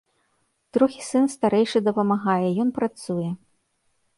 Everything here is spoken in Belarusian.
Трохі сын старэйшы дапамагае, ён працуе.